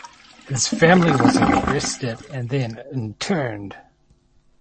His family was arrested and then interned.